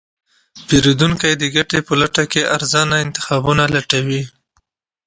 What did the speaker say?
پیرودونکی د ګټې په لټه کې ارزانه انتخابونه لټوي.